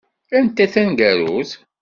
Anta i d taneggarut?